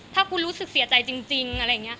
ถ้าคุณรู้สึกเสียใจจริง